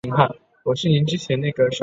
王袭人。